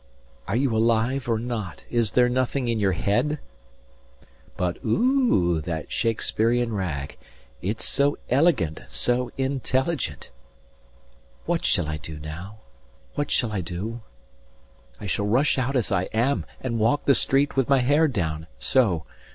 125 "Are you alive, or not? Is there nothing in your head?" But O O O O that Shakespeherian Rag— It's so elegant So intelligent 130 "What shall I do now? What shall I do? I shall rush out as I am, and walk the street With my hair down, so.